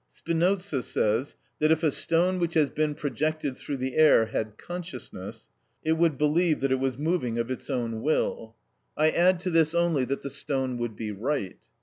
Spinoza (Epist. 62) says that if a stone which has been projected through the air had consciousness, it would believe that it was moving of its own will. I add to this only that the stone would be right.